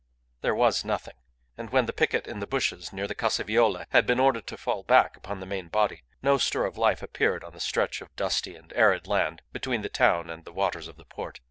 There was nothing. And when the picket in the bushes near the Casa Viola had been ordered to fall back upon the main body, no stir of life appeared on the stretch of dusty and arid land between the town and the waters of the port.